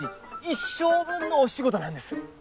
一生分のお仕事なんです。